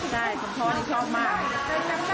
ใช่คุณพ่อนี่ชอบมากเลย